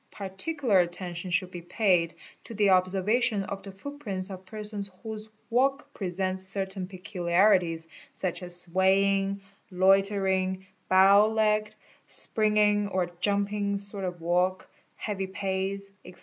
Particular attention should be paid to the observation AAR RR BAN Uj EER) ONE ESE BN, SARA BTS IE of the footprints of persons whose walk presents certain peculiarities a such as swaying, loitering, bow legged, springing or jumping sort of valk, heavy pace, &c.